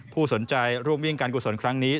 ผู้สนใจร่วมวิ่งการกุศลครั้งนี้